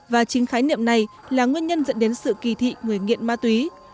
và chính khái niệm này là nguyên nhân dẫn đến sự kỳ thị người nghiện ma túy